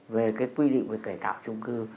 về cái quy định về cải tạo chung cư